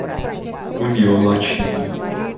União Latina